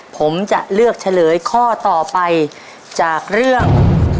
ผมจะเลือกเฉลยข้อต่อไปจากเรื่อง